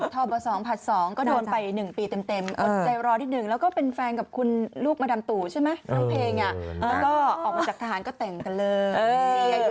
ทบ๒ผัด๒ก็โดนไป๑ปีเต็มอดใจรอนิดหนึ่งแล้วก็เป็นแฟนกับคุณลูกมาดามตู่ใช่ไหมน้องเพลงแล้วก็ออกมาจากทหารก็แต่งกันเลย